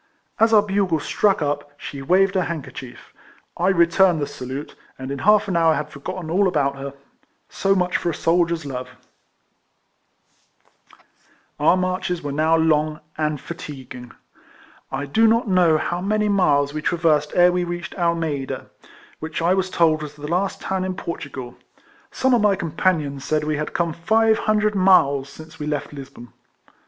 As our bugles struck up, she waved her handkerchief; I returned the salute, and in half an hour had forgotten all about her. So much for a soldier's love. 10 4 RECOLLECTIONS OF Our marches were now lono; and fatiofuin"'. I do not know how many miles we traversed ere we reached Almeida, which I was told was the last town in Portugal : some of my companions said we had come five hundred miles since we left Lisbon.